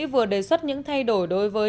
vừa đề xuất những thay đổi đối với